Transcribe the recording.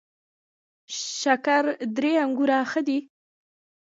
شکردرې انګور ښه دي؟